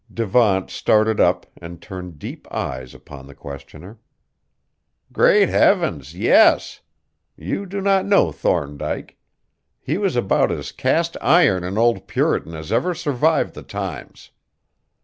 Devant started up and turned deep eyes upon the questioner. "Great heavens! yes. You do not know Thorndyke. He was about as cast iron an old Puritan as ever survived the times.